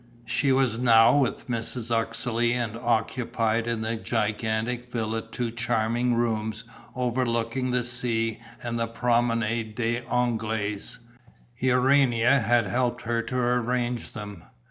She was now with Mrs. Uxeley and occupied in the gigantic villa two charming rooms overlooking the sea and the Promenade des Anglais. Urania had helped her to arrange them.